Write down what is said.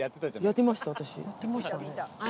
やってましたね。